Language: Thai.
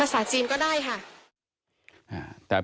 ภาษาจีนว่ะภาษาจีนก็ได้ค่ะ